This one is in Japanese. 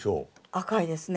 赤いですね。